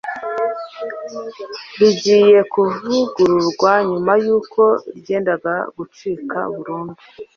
rigiye kuvugururwa nyuma y'uko ryendaga gucika burundu